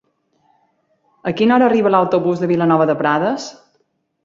A quina hora arriba l'autobús de Vilanova de Prades?